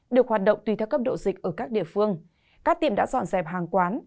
được hoạt động tùy theo cấp độ dịch ở các địa phương các tiệm đã dọn dẹp hàng quán